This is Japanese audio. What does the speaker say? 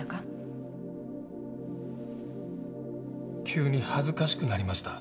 急に恥ずかしくなりました。